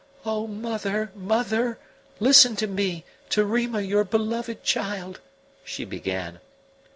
"O mother, mother, listen to me, to Rima, your beloved child!" she began.